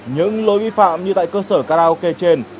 những lỗi vi phạm như tại cơ sở karaoke trên